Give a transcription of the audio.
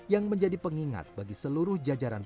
yang menjadi pengingat bagi seluruh jajaran